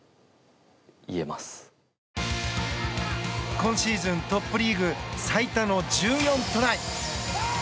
今シーズントップリーグ最多の１４トライ。